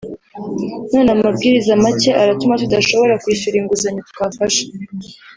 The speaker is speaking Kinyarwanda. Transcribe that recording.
none amabwiriza mashya aratuma tudashobora kwishyura inguzanyo twafashe